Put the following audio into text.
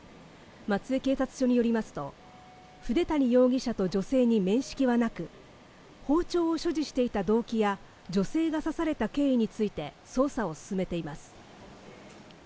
松江警察署によりますと、筆谷容疑者と女性に面識はなく、包丁を所持していた動機や女性が刺された経緯について捜査を進めています。